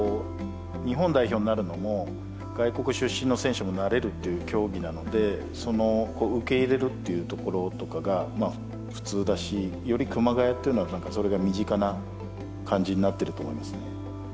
もともとラグビーがこうっていう競技なので受け入れるっていうところとかが普通だしより熊谷っていうのはそれが身近な感じになってると思いますね。